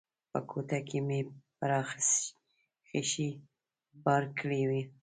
په کوټه کې مې پر اخښي بار کړی و.